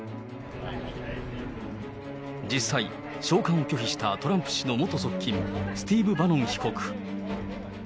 実際、召喚を拒否したトランプ氏の元側近、スティーブ・バノン被告。